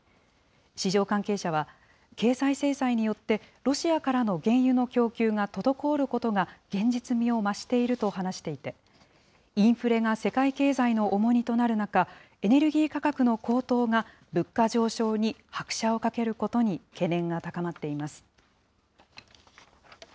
市場関係者は、経済制裁によって、ロシアからの原油の供給が滞ることが、現実味を増していると話していて、インフレが世界経済の重荷となる中、エネルギー価格の高騰が、物価上昇に拍車をかけることに懸念が高まっています。